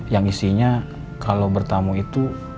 yang isinya kalau bertamu itu